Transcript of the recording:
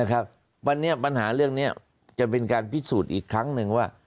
วันนี้ปัญหาเรื่องนี้จะเป็นการพิสูจน์อีกครั้งหนึ่งว่า